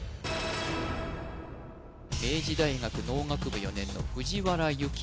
明治大学農学部４年の藤原優希